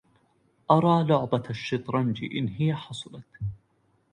أرى لعبة الشطرنج إن هي حصلت